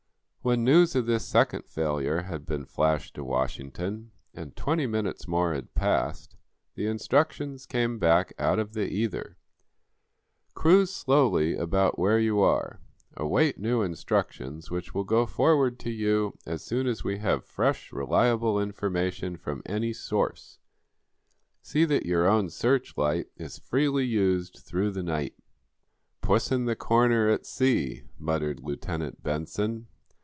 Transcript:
When news of this second failure had been flashed to Washington, and twenty minutes more had passed, the instructions came back out of the ether: "Cruise slowly about where you are. Await new instructions, which will go forward to you as soon as we have fresh, reliable information from any source. See that your own search light is freely used through the night." "'Puss in the Corner,' at sea," muttered Lieutenant Benson.